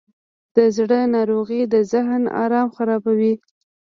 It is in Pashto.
د زړه ناروغۍ د ذهن آرام خرابوي.